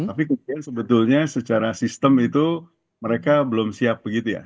tapi kemudian sebetulnya secara sistem itu mereka belum siap begitu ya